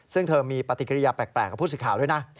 ซึ่งเธอมีปฏิกิริยาแปลกกับผู้สื่อข่าวด้วยนะ